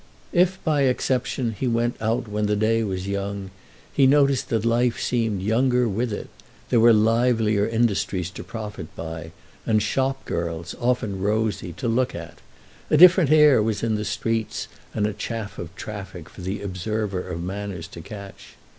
If by exception he went out when the day was young he noticed that life seemed younger with it; there were livelier industries to profit by and shop girls, often rosy, to look at; a different air was in the streets and a chaff of traffic for the observer of manners to catch.